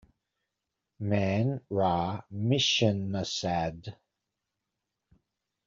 Man ra mishenasad.